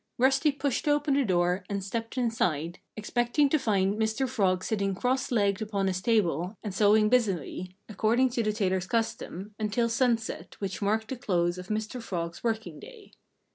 Rusty pushed open the door and stepped inside, expecting to find Mr. Frog sitting cross legged upon his table and sewing busily, according to the tailor's custom, until sunset, which marked the close of Mr. Frog's working day.